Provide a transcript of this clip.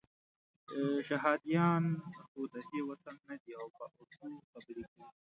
شهادیان خو ددې وطن نه دي او په اردو خبرې کوي.